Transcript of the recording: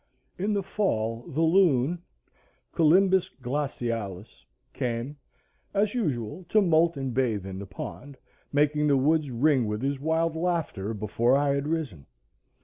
In the fall the loon (Colymbus glacialis) came, as usual, to moult and bathe in the pond, making the woods ring with his wild laughter before I had risen.